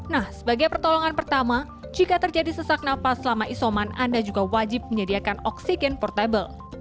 nah sebagai pertolongan pertama jika terjadi sesak nafas selama isoman anda juga wajib menyediakan oksigen portable